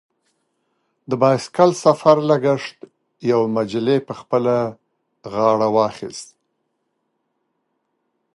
د بایسکل سفر لګښت یوه مجله پر خپله غاړه واخیست.